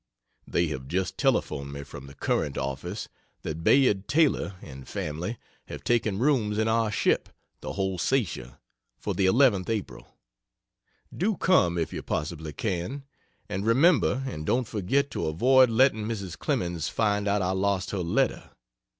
(They have just telephoned me from the Courant office that Bayard Taylor and family have taken rooms in our ship, the Holsatia, for the 11th April.) Do come, if you possibly can! and remember and don't forget to avoid letting Mrs. Clemens find out I lost her letter.